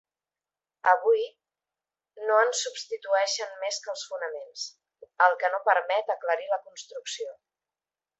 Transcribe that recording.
Avui, no en subsisteixen més que els fonaments, el que no permet aclarir la construcció.